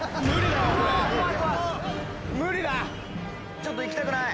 ちょっと行きたくない。